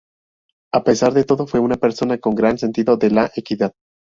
A pesar de todo, fue una persona con gran sentido de la equidad.